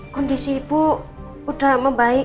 kondisi ibu udah membaik